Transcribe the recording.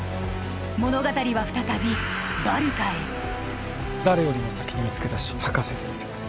物語は再びバルカへ誰よりも先に見つけ出し吐かせてみせます